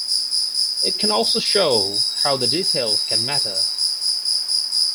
It can also show how the details can matter.